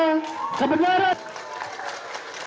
untuk berhubungan dengan